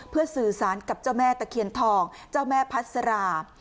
เพื่อสื่อสารกับเจ้าแม่ตะเคียนทองเจ้าแม่พัสรา